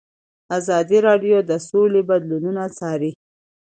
ازادي راډیو د سوله بدلونونه څارلي.